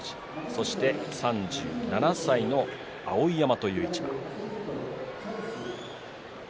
そして、３７歳の碧山という一番。